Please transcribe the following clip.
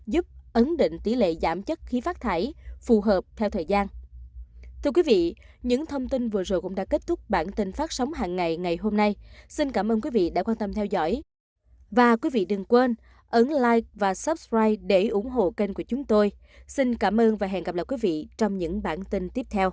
cho các hạt chất khí phát thải phù hợp theo thời gian